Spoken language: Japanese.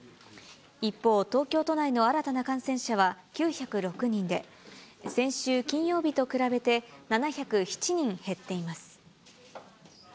一方、東京都内の新たな感染者は９０６人で、先週金曜日と比べて７０７人減っています。